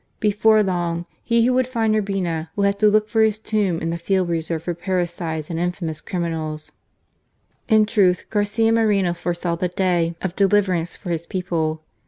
Before long, he who would find Urbina, will have to look for his tomb in the field reserved for parricides and infamous criminals." In truth, Garcia Moreno foresaw the day of deliverance for his people.